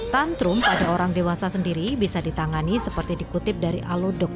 tantrum pada orang dewasa sendiri bisa ditangani seperti dikutip dari aluduct